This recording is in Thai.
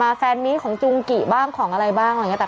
แฟนมีของจุงกิบ้างของอะไรบ้างอะไรอย่างนี้แต่